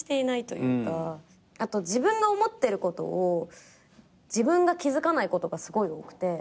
あと自分が思ってることを自分が気付かないことがすごい多くて。